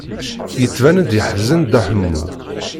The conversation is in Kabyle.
Yettban-d yeḥzen Dda Ḥemmu.